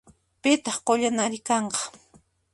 Pitaq qullanari kanqa?